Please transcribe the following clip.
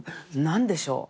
何でしょう？